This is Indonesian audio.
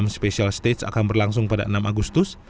special stage akan berlangsung pada enam agustus